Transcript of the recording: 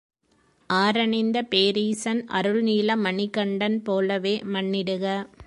ஆறணிந்த பேரீசன் அருள்நீல மணிகண்டன் போலவே மன்னிடுக!